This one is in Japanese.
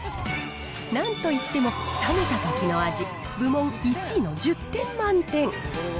なんといっても、冷めたときの味、部門１位の１０点満点。